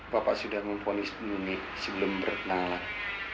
bapak sudah mempunyai sebuah nilai sebelum berkenalan